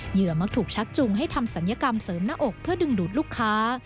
มักถูกชักจุงให้ทำศัลยกรรมเสริมหน้าอกเพื่อดึงดูดลูกค้า